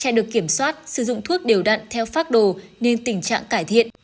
trẻ được kiểm soát sử dụng thuốc điều đặn theo phác đồ nên tình trạng cải thiện